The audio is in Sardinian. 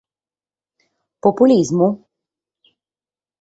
Populismu?